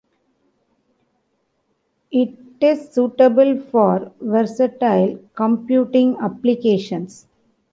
It is suitable for versatile computing applications.